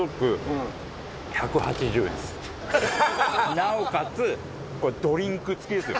なおかつドリンク付きですよ。